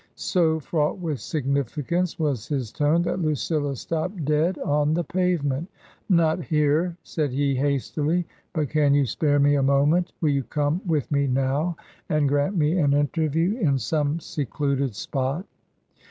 So fraught with significance was his tone that Lucilla stopped dead on the pavement. " Not here," said he, hastily ;" but can you spare me a moment ? Will you come with me now and grant me an interview in some secluded spot